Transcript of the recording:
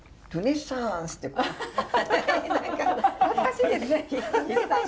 懐かしいですね。